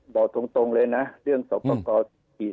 บอกตรงเลยนะเรื่องสอบประกอบ